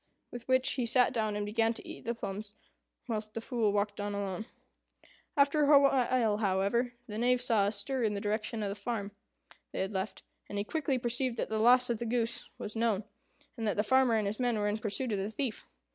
With which he sat down and began to eat the plums, whilst the Fool walked on alone. After a while, however, the Knave saw a stir in the direction of the farm they had left, and he quickly perceived that the loss of the goose was known, and that the farmer and his men were in pursuit of the thief.